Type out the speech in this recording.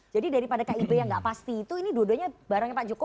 jadi daripada kib yang tidak pasti itu ini dua duanya barangnya pak jokowi